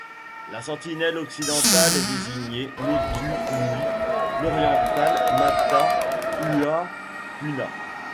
La sentinelle occidentale est désignée Motu Nui, l’orientale Mata ‘Ua Puna.